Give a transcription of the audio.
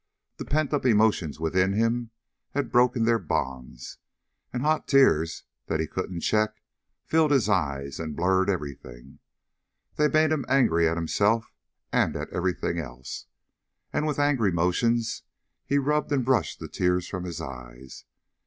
The pent up emotions within him had broken their bonds, and hot tears that he couldn't check filled his eyes and blurred everything. That made him angry at himself, and at everything else. And with angry motions he rubbed and brushed the tears from his eyes.